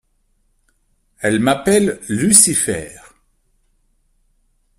Elle m'appelle Lucifer.